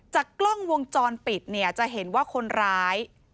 จากกล้องวงจรปิดเนี่ยจะเห็นว่าคนร้าย